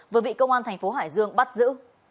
vừa bị công an thành phố hải dương bắt giữ